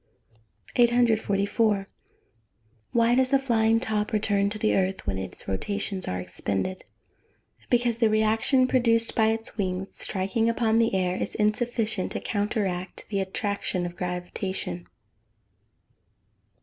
"] 844. Why does the flying top return to the earth when its rotations are expended? Because the reaction produced by its wings striking upon the air, is insufficient to counteract the attraction of gravitation.